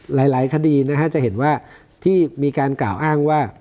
หลายคดีนะฮะจะเห็นว่าที่มีการกล่าวอ้างว่า